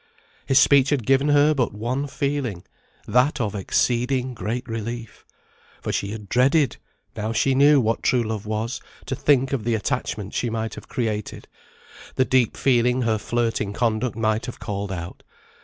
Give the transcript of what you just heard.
His speech had given her but one feeling, that of exceeding great relief. For she had dreaded, now she knew what true love was, to think of the attachment she might have created; the deep feeling her flirting conduct might have called out.